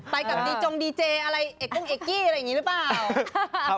ไปกับดีจงดีเจอะไรเอกกุ้งเอกกี้อะไรอย่างนี้หรือเปล่า